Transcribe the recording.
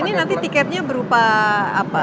ini nanti tiketnya berupa apa